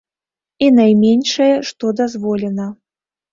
І найменшае, што дазволена.